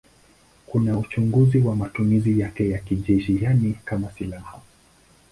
Kuna uchunguzi kwa matumizi yake ya kijeshi, yaani kama silaha.